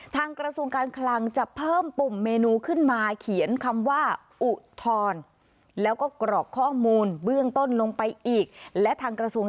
กระทรวงการคลังจะเพิ่มปุ่มเมนูขึ้นมาเขียนคำว่าอุทธรณ์แล้วก็กรอกข้อมูลเบื้องต้นลงไปอีกและทางกระทรวง